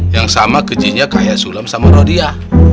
yang sama kejinnya kaya sulam sama rodia